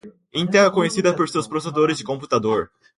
Intel é conhecida por seus processadores de computador.